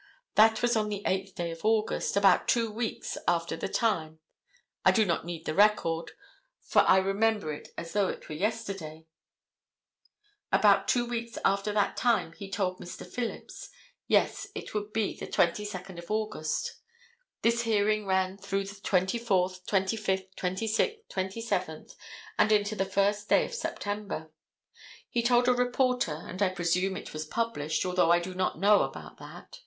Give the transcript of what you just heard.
That was on the 8th day of August. About two weeks after the time—I do not need the record, for I remember it as though it was yesterday—about two weeks after that time he told Mr. Phillips. Yes, it would be the 22d of August. This hearing ran through the 24th, 25th, 26th, 27th, and into the first day of September. He told a reporter, and I presume it was published, although I do not know about that.